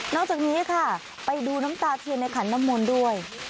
อกจากนี้ค่ะไปดูน้ำตาเทียนในขันน้ำมนต์ด้วย